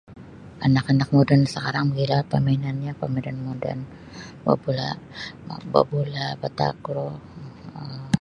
Anak-anak moden sakarang mogilo pamainannyo pamainan moden babula' babula' batakru um.